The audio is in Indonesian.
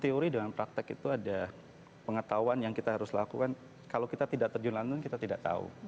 teori dengan praktek itu ada pengetahuan yang kita harus lakukan kalau kita tidak terjun langsung kita tidak tahu